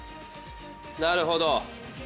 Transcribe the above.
なるほど。